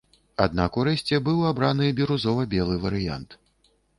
Аднак урэшце быў абраны бірузова-белы варыянт.